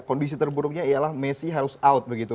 kondisi terburuknya ialah messi harus out begitu